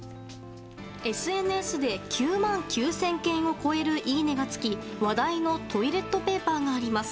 ＳＮＳで９万９０００件を超えるいいねがつき話題のトイレットペーパーがあります。